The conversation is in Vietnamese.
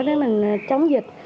để mình chống dịch